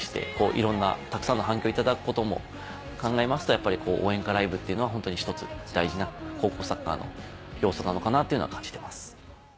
いろんなたくさんの反響を頂くことも考えますとやっぱり応援歌ライブっていうのはホントに一つ大事な高校サッカーの要素なのかなっていうのは感じてます。